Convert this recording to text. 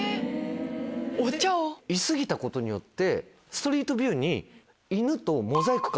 居過ぎたことによって。